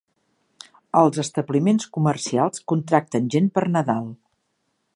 Els establiments comercials contracten gent per Nadal.